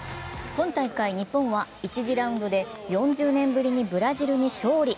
今大会、日本は１次ラウンドで４０年ぶりにブラジルに勝利。